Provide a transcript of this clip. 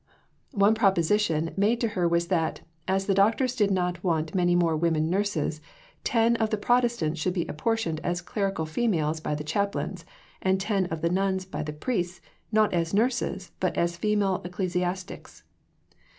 One proposition made to her was that, as the doctors did not want many more woman nurses, "ten of the Protestants should be appropriated as clerical females by the chaplains, and ten of the nuns by the priests, not as nurses, but as female ecclesiastics.